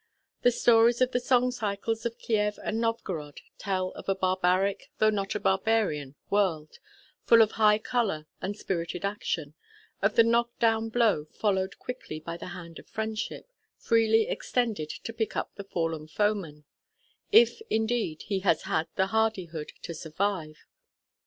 The stories of the song cycles of Kiev and Novgorod tell of a barbaric, though not a barbarian, world, full of high colour and spirited action, of the knock down blow followed quickly by the hand of friendship freely extended to pick up the fallen foeman if indeed he has had the hardihood to survive.